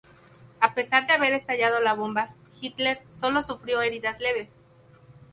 A pesar de haber estallado la bomba, Hitler solo sufrió heridas leves.